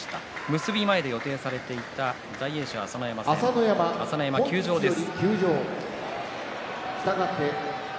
結び前で予定されていた大栄翔、朝乃山戦朝乃山、今日から休場です。